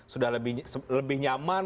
sudah lebih nyaman